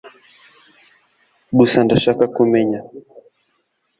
Gusa ndashaka kumenya